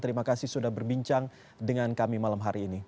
terima kasih sudah berbincang dengan kami malam hari ini